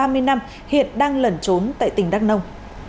trong ba mươi năm hiện đang lẩn trốn tại tỉnh đắk nông